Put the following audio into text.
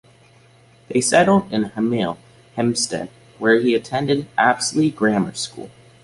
They settled in Hemel Hempstead where he attended Apsley Grammar School.